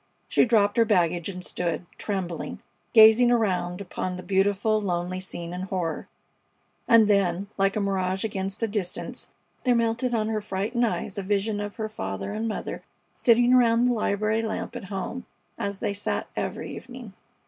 She dropped her baggage and stood, trembling, gazing around upon the beautiful, lonely scene in horror; and then, like a mirage against the distance, there melted on her frightened eyes a vision of her father and mother sitting around the library lamp at home, as they sat every evening.